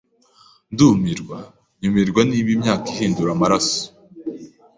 ndumirwa, nyoberwa niba imyaka ihindura amaraso,